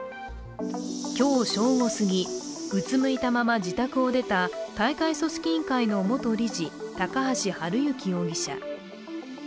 今日正午すぎ、うつむいたまま自宅を出た大会組織委員会の元理事、高橋治之容疑者。